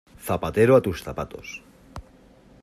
Zapatero a tus zapatos.